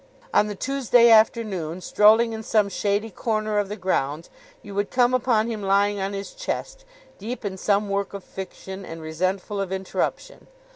On the Tuesday afternoon, strolling in some shady corner of the grounds you would come upon him lying on his chest, deep in some work of fiction and resentful of interruption.